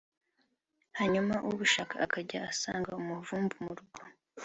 hanyuma ubushaka akajya asanga umuvumvu mu rugo